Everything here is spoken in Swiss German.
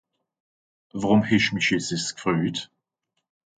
Worùm hesch mich jetz dìss gfröjt ?